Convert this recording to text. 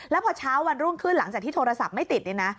แล้วพอเช้าวันรุ่งขึ้นหลังจากที่โทรศัพท์ไม่ติดเนี่ยนะ